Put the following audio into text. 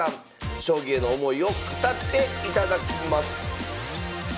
将棋への思いを語っていただきます